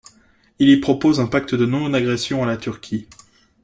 Il y propose un pacte de non-agression à la Turquie.